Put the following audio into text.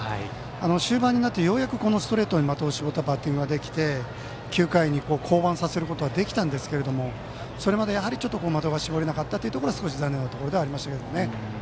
終盤になって、ようやくストレートに的を絞ったバッティングができて９回に降板させることはできたんですけどそれまで的が絞れなかったのが少し残念なところではありました。